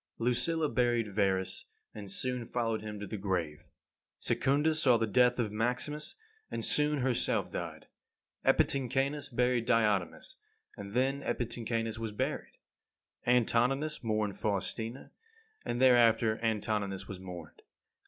25. Lucilla buried Verus, and soon followed him to the grave. Secunda saw the death of Maximus, and soon herself died. Epitynchanus buried Diotimus, and then Epitynchanus was buried. Antoninus mourned Faustina, and thereafter Antoninus was mourned.